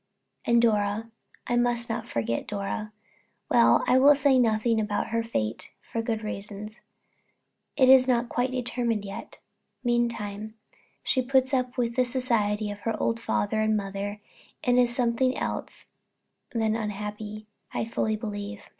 And Dora I must not forget Dora well, I will say nothing about her fate, for good reasons it is not quite determined yet. Meantime she puts up with the society of her old father and mother, and is something else than unhappy, I fully believe.